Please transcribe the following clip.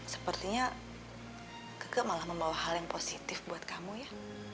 sepertinya keke malah membawa hal yang positif buat kamu ya